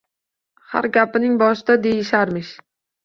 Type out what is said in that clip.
Har gapining boshida deyisharmish